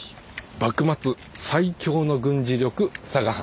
幕末最強の軍事力・佐賀藩」。